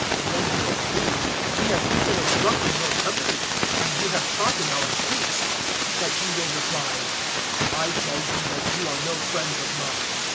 013:026 "Then you will plead, "`We have eaten and drunk in your company and you have taught in our streets.' 013:027 "But He will reply, "`I tell you that you are no friends of mine.